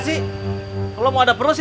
nah kenapa ini berani brock